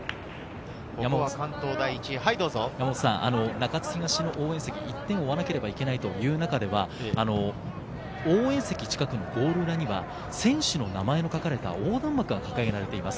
中津東の応援席、１点を取らなきゃいけないという中ですが、応援席のゴール裏には選手の名前が書かれた横断幕が掲げられています。